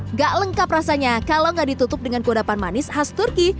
nggak lengkap rasanya kalau nggak ditutup dengan kewadapan manis khas turki